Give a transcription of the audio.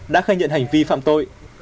đã khai nhận hành vi phạm tội